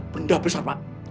benda besar pak